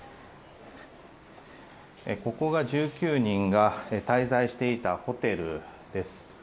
ここが１９人が滞在していたホテルです。